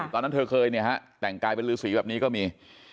ตอนนั้นเธอเคยเนี่ยฮะแต่งกายเป็นฤษีแบบนี้ก็มี